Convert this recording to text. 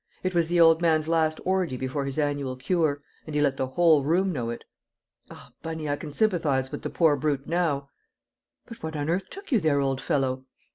It was the old man's last orgy before his annual cure, and he let the whole room know it. Ah, Bunny, I can sympathise with the poor brute now!" "But what on earth took you there, old fellow?"